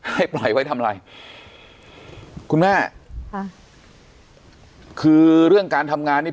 ให้ปล่อยไว้ทำอะไรคุณแม่ค่ะคือเรื่องการทำงานนี่